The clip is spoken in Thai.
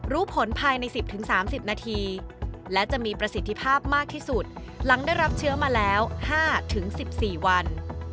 รู้ผลภายใน๑๐๓๐นาทีและจะมีประสิทธิภาพมากที่สุดหลังได้รับเชื้อมาแล้ว๕๑๔วัน